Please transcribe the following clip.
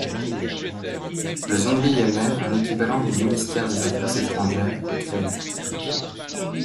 Le Zongli Yamen, un équivalent de ministère des Affaires étrangères, est créé.